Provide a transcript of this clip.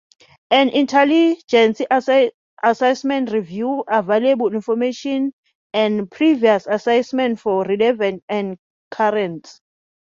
An intelligence assessment reviews available information and previous assessments for relevance and currency.